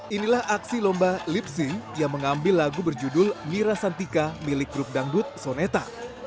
inilah aksi lomba lip zinc yang mengambil lagu berjudul mira santika milik grup dangdut soneta